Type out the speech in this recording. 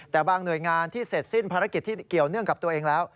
แต่บางหน่วยงานที่เสร็จสิ้นภารกิจที่เกี่ยวเนื่องกับตัวเองแล้ว